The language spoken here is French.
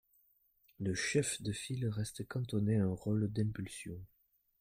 Le chef de file reste cantonné à un rôle d’impulsion.